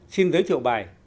xin giới thiệu bài